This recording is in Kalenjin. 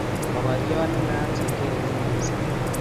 mokorionde ne naat sengenyin mising